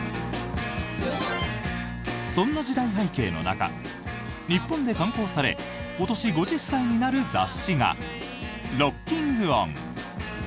そんな時代背景の中日本で刊行され今年５０歳になる雑誌が「ｒｏｃｋｉｎ’ｏｎ」。